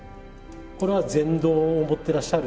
これは禅堂を持ってらっしゃる。